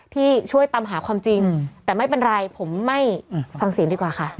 ที่ช่วยตามหาความจริงแต่ไม่เป็นไรผมไม่ฟังเสียงดีกว่าค่ะ